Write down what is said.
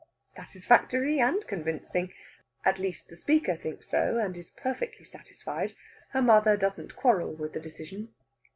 Satisfactory and convincing! At least, the speaker thinks so, and is perfectly satisfied. Her mother doesn't quarrel with the decision.